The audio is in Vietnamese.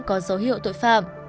có dấu hiệu tội phạm